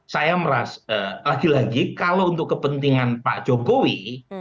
saya merasa lagi lagi kalau untuk kepentingan pak jokowi